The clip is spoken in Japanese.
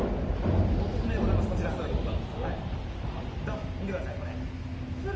オススメでございます、こちらドン見てください、こちら。